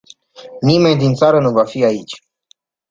Nimeni din țară nu va fi aici.